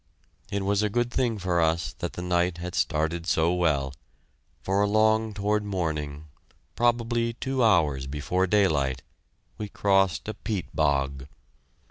It was a good thing for us that the night had started so well, for along toward morning, probably two hours before daylight, we crossed a peat bog.